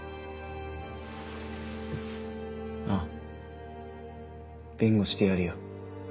ああ弁護してやるよ。